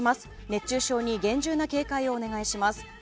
熱中症に厳重な警戒をお願いします。